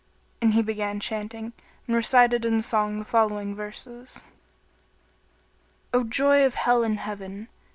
And he began chanting, and recited in song the following verses, "O joy of Hell and Heaven!